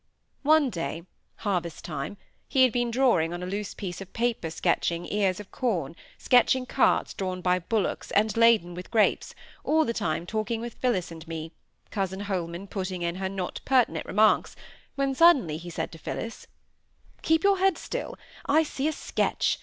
One day—harvest time—he had been drawing on a loose piece of paper sketching ears of corn, sketching carts drawn by bullocks and laden with grapes—all the time talking with Phillis and me, cousin Holman putting in her not pertinent remarks, when suddenly he said to Phillis,— "Keep your head still; I see a sketch!